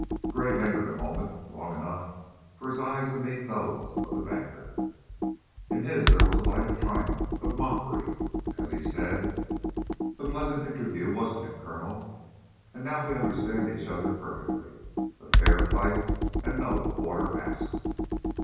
Gray lingered a moment, long enougn for his eyes to meet those of the banker. In his there was a light of triumph, of mockery, as he said: "A pleasant interview, wasn't it, Colonel? And now we understand each other perfectly. A fair fight and no quarter asked."